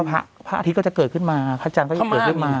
พระอาทิตย์ก็จะเกิดขึ้นมาพระจันทร์ก็จะเกิดขึ้นมา